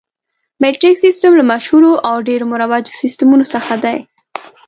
مټریک سیسټم له مشهورو او ډېرو مروجو سیسټمونو څخه دی.